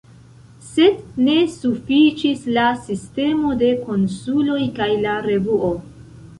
Sed ne sufiĉis la sistemo de konsuloj kaj la revuo.